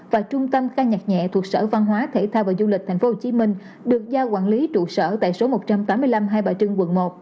và trung tâm khai nhạc nhẹ thuộc sở văn hóa thể thao và du lịch tp hcm được giao quản lý trụ sở tại số một trăm tám mươi năm hai bà trưng quận một